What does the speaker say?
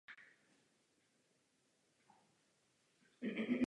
Tam se Ned snaží z Homera udělat dobrého a řádného křesťana.